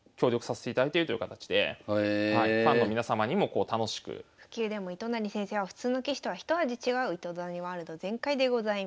常務会とかとは別で普及でも糸谷先生は普通の棋士とはひと味違う糸谷ワールド全開でございます。